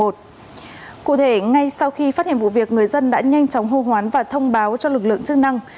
cụ thể ngay sau khi phát hiện vụ việc người dân đã nhanh chóng hô hoán và thông báo cho lực lượng chức năng